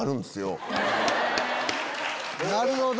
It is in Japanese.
なるほど！